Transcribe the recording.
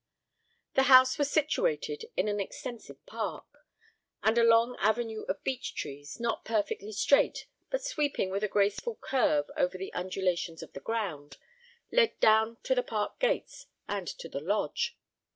The house was situated in an extensive park; and a long avenue of beech trees, not perfectly straight, but sweeping with a graceful curve over the undulations of the ground, led down to the park gates and to the lodge.